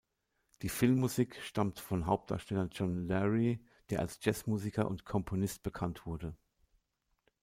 Die Filmmusik stammt von Hauptdarsteller John Lurie, der als Jazz-Musiker und -Komponist bekannt wurde.